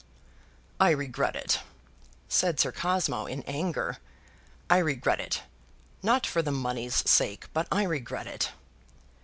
"I regret it," said Sir Cosmo, in anger. "I regret it; not for the money's sake, but I regret it."